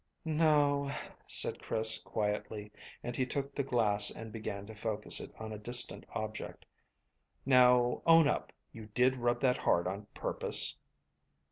"No," said Chris quietly, and he took the glass and began to focus it on a distant object. "Now, own up; you did rub that hard on purpose?"